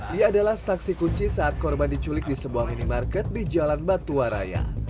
dia adalah saksi kunci saat korban diculik di sebuah minimarket di jalan batuwaraya